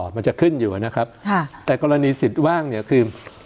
มันจะขึ้นอยู่นะครับค่ะแต่กรณีสิทธิ์ว่างเนี่ยคือ